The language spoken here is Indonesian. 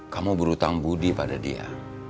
kamu berhutang budi pada dia